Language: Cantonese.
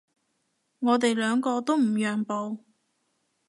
我哋兩個都唔讓步